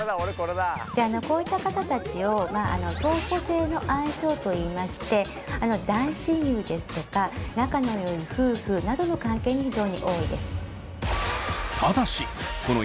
こういった方たちを相補性の相性といいまして大親友ですとか仲の良い夫婦などの関係に非常に多いです。